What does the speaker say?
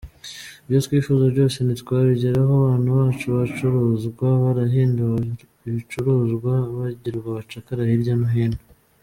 Ibyo twifuza byose ntitwabigeraho abana bacu bacuruzwa, barahinduwe ibicuruzwa, bagirwa abacakara hirya no hino.